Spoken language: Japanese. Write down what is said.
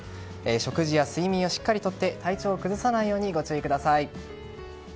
食事や睡眠をしっかりとって体調を崩さないようにご注意ください。